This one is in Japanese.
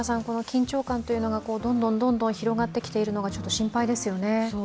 緊張感というのがどんどん広がってきているのが心配ですよね。